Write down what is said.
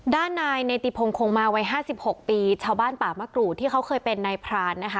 ด้านนายในติพงคงมาไว้๕๖ปี